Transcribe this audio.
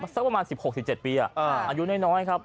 สักประมาณ๑๖๑๗ปีอายุน้อยครับ